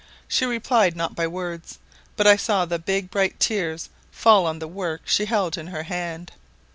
She replied not by words, but I saw the big bright tears fall on the work she held in her hand.